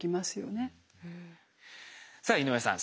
さあ井上さん